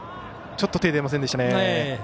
ちょっと手が出ませんでしたね。